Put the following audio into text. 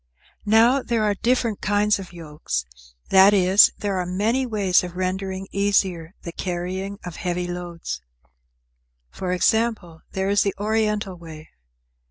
Now there are different kinds of yokes, that is, there are many ways of rendering easier the carrying of heavy loads. For example, there is the Oriental way.